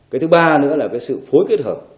cái thứ ba nữa là cái sự phối kết hợp